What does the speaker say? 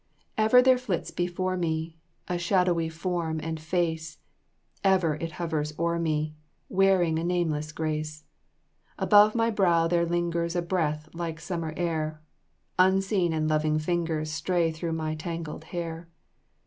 Ever there flits before me A shadowy form and face; Ever it hovers o'er me, Wearing a nameless grace. Above my brow there lingers A breath like summer air; Unseen and loving fingers Stray through my tangled hair.